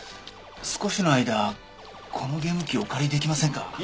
少しの間このゲーム機お借りできませんか？